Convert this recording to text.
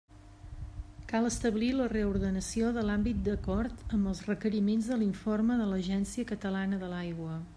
Cal establir la reordenació de l'àmbit d'acord amb els requeriments de l'informe de l'Agència Catalana de l'Aigua.